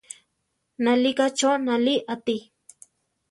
Nalíka cho náli ati.